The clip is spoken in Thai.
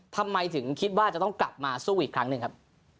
ทำไมถึงคิดว่าจะต้องกลับมาสู้อีกครั้งหนึ่งครับ